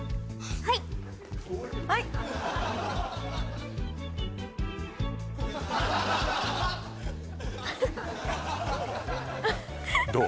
はいどう？